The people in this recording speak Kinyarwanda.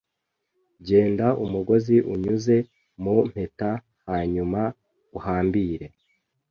Genda umugozi unyuze mu mpeta hanyuma uhambire.